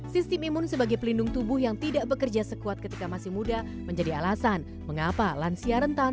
sistem imun sebagai pelindung tubuh yang tidak bekerja sekuat ketika masih muda menjadi alasan mengapa lansia rentan